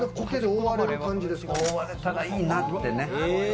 覆われたらいいなって。